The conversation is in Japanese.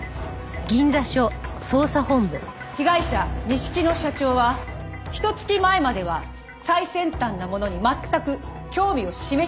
被害者錦野社長はひと月前までは最先端なものに全く興味を示していなかったそうです。